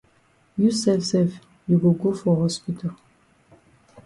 You sef sef you go go for hospital.